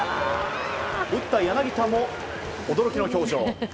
打った柳田も驚きの表情。